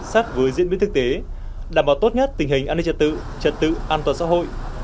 sát với diễn biến thực tế đảm bảo tốt nhất tình hình an ninh trật tự trật tự an toàn xã hội